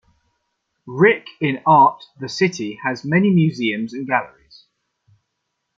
Rick in art the city has many museums and galleries.